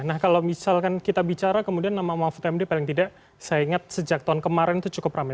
nah kalau misalkan kita bicara kemudian nama mahfud md paling tidak saya ingat sejak tahun kemarin itu cukup ramai